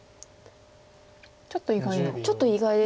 ちょっと意外な。